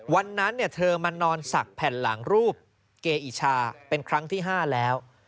วันนั้นเธอมานอนสักแผ่นหลังรูปเกอิชาเป็นครั้งที่๕แล้ว